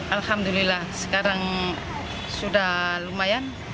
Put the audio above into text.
alhamdulillah sekarang sudah lumayan